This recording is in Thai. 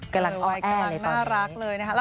กำลังอ้อแอเลยตอนนี้